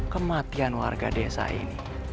kematian warga desa ini